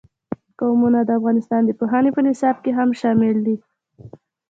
قومونه د افغانستان د پوهنې په نصاب کې هم شامل دي.